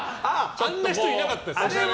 あんな人、いなかったですよね。